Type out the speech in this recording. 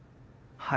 はい。